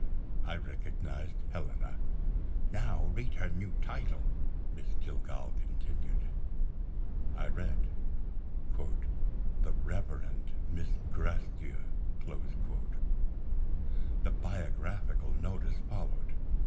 I recognized Helena. "Now read her new title," Miss Jillgall continued. I read: "The Reverend Miss Gracedieu." The biographical notice followed.